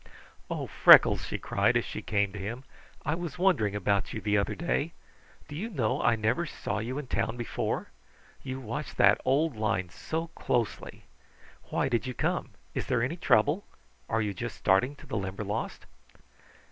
"Oh Freckles," she cried as she came to him. "I was wondering about you the other day. Do you know I never saw you in town before. You watch that old line so closely! Why did you come? Is there any trouble? Are you just starting to the Limberlost?"